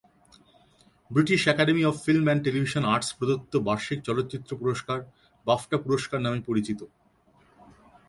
British academy of film and television arts প্রদত্ত বার্ষিক চলচ্চিত্র পুরস্কার বাফটা পুরস্কার নামে পরিচিত।